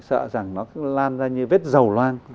sợ rằng nó lan ra như vết dầu loang